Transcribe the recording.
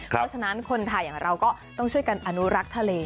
เพราะฉะนั้นคนไทยอย่างเราก็ต้องช่วยกันอนุรักษ์ทะเล